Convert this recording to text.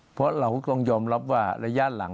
เพราะเราก็ต้องยอมรับว่าระยะหลัง